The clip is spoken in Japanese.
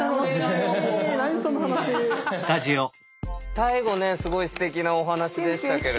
最後ねすごいステキなお話でしたけれども。